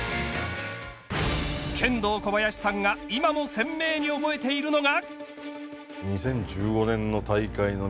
ケンドーコバヤシさんが今も鮮明に覚えているのが。